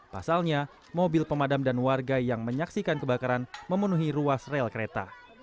pasalnya mobil pemadam dan warga yang menyaksikan kebakaran memenuhi ruas rel kereta